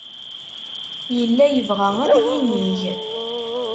Yella yebɣa ad yinig.